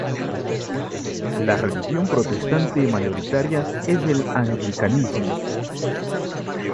La religión protestante mayoritaria es el anglicanismo.